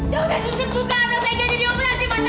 jangan susit buka jangan jadi dioperasi matanya